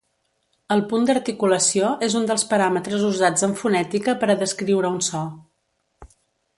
El punt d'articulació és un dels paràmetres usats en fonètica per a descriure un so.